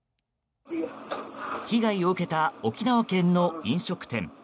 被害を受けた沖縄県の飲食店。